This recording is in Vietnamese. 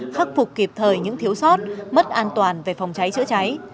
khắc phục kịp thời những thiếu sót mất an toàn về phòng cháy chữa cháy